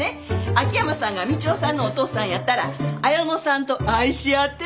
秋山さんが道夫さんのお父さんやったら綾乃さんと愛し合ってたことに。